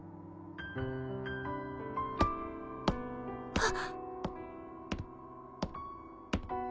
あっ